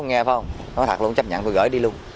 nghe phải không nó thật lòng chấp nhận tôi gửi đi luôn